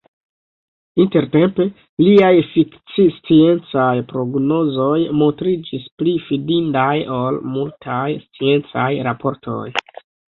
Intertempe, liaj fikcisciencaj prognozoj montriĝis pli fidindaj ol multaj sciencaj raportoj.